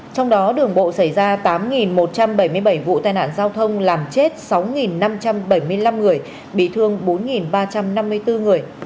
trong đó đường bộ xảy ra tám một trăm bảy mươi bảy vụ tai nạn giao thông làm chết sáu năm trăm bảy mươi năm người bị thương bốn ba trăm năm mươi bốn người